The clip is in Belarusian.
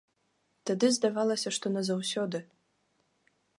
Тады здавалася, што назаўсёды.